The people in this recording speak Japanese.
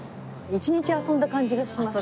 １日遊んだ感じがします。